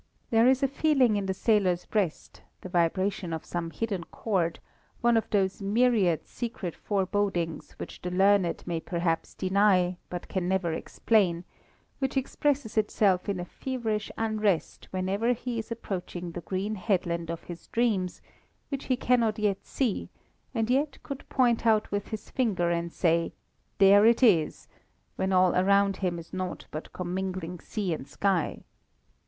There is a feeling in the sailor's breast, the vibration of some hidden chord, one of those myriad secret forebodings which the learned may perhaps deny, but can never explain, which expresses itself in a feverish unrest whenever he is approaching the green headland of his dreams, which he cannot yet see, and yet could point out with his finger and say, "There it is!" when all around him is nought but commingling sea and sky.